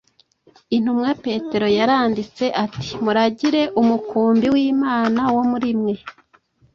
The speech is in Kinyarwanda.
intumwa petero yaranditse ati: “muragire umukumbi w’imana wo muri mwe,